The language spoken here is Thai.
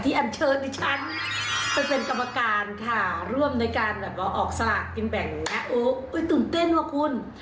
ที่แอ้มเชิญดิฉันเป็นกรรมการค่ะร่วมในการออกสลากกินแบ่งตื่นเต้นว่ะคุณ